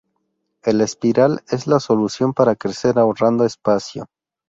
El espiral es la solución para crecer ahorrando espacio.